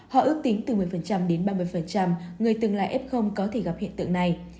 họ ước tính từ một mươi đến ba mươi người tương lai f có thể gặp hiện tượng này